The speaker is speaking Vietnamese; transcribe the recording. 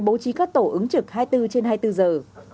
cũng chỉ các tổ ứng trực hai mươi bốn trên hai mươi bốn giờ